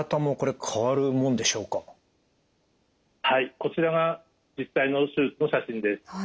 こちらが実際の手術の写真です。